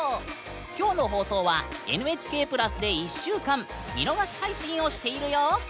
今日の放送は「ＮＨＫプラス」で１週間見逃し配信をしているよ！